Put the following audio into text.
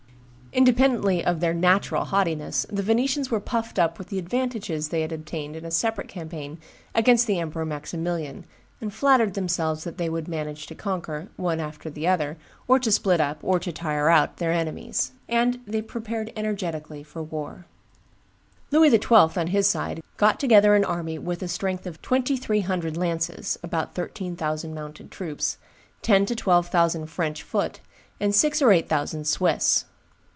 Independently of their natural haughtiness, the Venetians were puffed up with the advantages they had obtained in a separate campaign against the Emperor Maximilian, and flattered themselves that they would manage to conquer, one after the other, or to split up, or to tire out, their enemies; and they prepared energetically for war. Louis XII., on his side, got together an army with a strength of twenty three hundred lances (about thirteen thousand mounted troops), ten to twelve thousand French foot, and six or eight thousand Swiss.